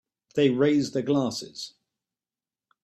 They raise their glasses.